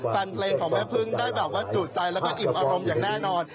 แฟนเพลงของแม่พึ่งได้แบบว่าจุใจแล้วก็อิ่มอารมณ์อย่างแน่นอน